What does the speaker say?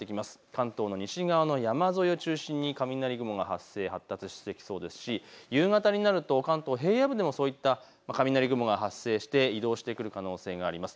関東の西側の山沿いを中心に雷雲が発生、発達してきそうですし、夕方になると関東平野部でも雷雲が発生して移動してくる可能性があります。